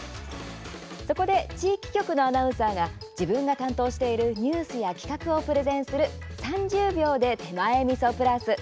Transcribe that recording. そこで、地域局のアナウンサーが自分が担当しているニュースや企画をプレゼンする「３０秒で手前みそプラス」。